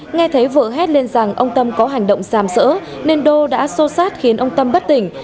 nghe thấy vợ hét lên rằng ông tâm có hành động giảm sỡ nên đô đã sô sát khiến ông tâm bất tỉnh